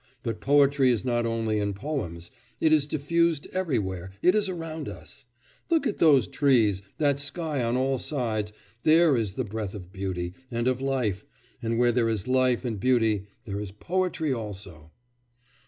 But poetry is not only in poems; it is diffused everywhere, it is around us. Look at those trees, that sky on all sides there is the breath of beauty, and of life, and where there is life and beauty, there is poetry also.